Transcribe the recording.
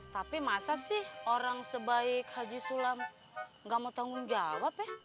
tapi masa sih orang sebaik haji sulam gak mau tanggung jawab ya